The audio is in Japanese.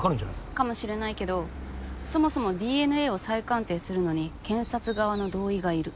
かもしれないけどそもそもＤＮＡを再鑑定するのに検察側の同意がいる。